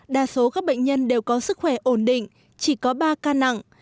đa số các bệnh nhân đều có sức khỏe ổn định chỉ có ba ca nặng